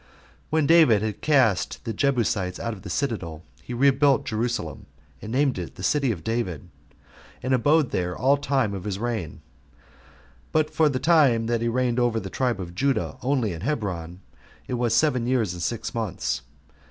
2. When David had cast the Jebusites out of the citadel, he also rebuilt Jerusalem, and named it The City of David, and abode there all the time of his reign; but for the time that he reigned over the tribe of Judah only in Hebron, it was seven years and six months.